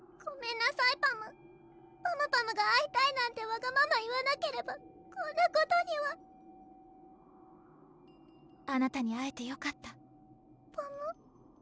ごめんなさいパムパムパムが会いたいなんてワガママ言わなければこんなことにはあなたに会えてよかったパム？